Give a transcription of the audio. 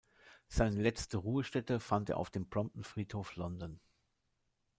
Seine letzte Ruhestätte fand er auf dem Brompton Friedhof, London.